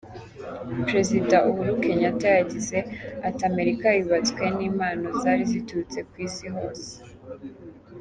Perezida Uhuru Kenyatta yagize ati “ Amerika yubatswe n’impano zari ziturutse ku Isi hose.